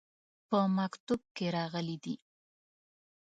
په مکتوب کې راغلي دي.